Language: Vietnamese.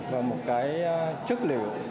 và một cái chất liệu